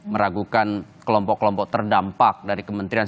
meragukan kelompok kelompok terdampak dari kementerian